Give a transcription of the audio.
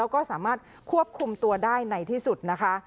ก็สามารถควบคุมตัวได้ในที่สุดนะคะ